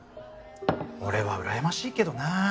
俺はうらやましいけどな。